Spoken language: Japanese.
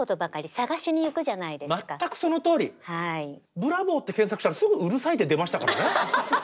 「ブラボー」って検索したらすぐ「うるさい」って出ましたからね。